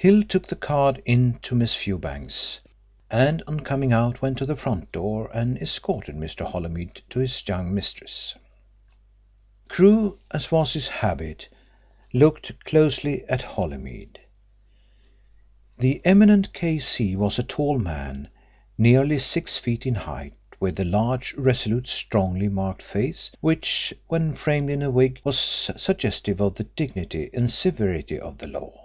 Hill took the card in to Miss Fewbanks, and on coming out went to the front door and escorted Mr. Holymead to his young mistress. Crewe, as was his habit, looked closely at Holymead. The eminent K.C. was a tall man, nearly six feet in height, with a large, resolute, strongly marked face which, when framed in a wig, was suggestive of the dignity and severity of the law.